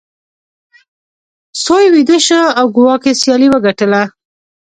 سوی ویده شو او کواګې سیالي وګټله.